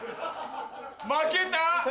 負けた？